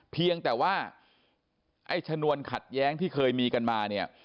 เพียงแต่ว่าไอ้ชนวนขัดแย้งที่เคยมีกันมาเนี่ย